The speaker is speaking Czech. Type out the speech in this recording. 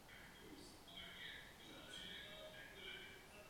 Nejdůležitější proto je vytvořit skutečný společný evropský azylový systém.